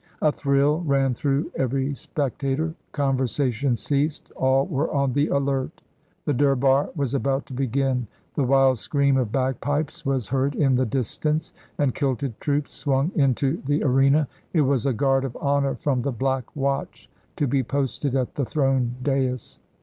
A thrill ran through every spectator; conversation ceased; all were on the alert; the Durbar was about to begin. The wild scream of bagpipes was heard in the distance, and kilted troops swung into the arena; it was a guard of honor from the Black Watch to be posted at the throne dais.